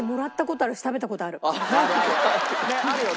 あるよね？